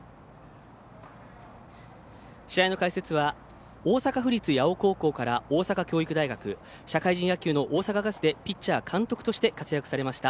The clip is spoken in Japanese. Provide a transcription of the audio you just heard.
試合の解説は大阪府立八尾高校から大阪教育大学、社会人野球の大阪ガスでピッチャー、監督として活躍されました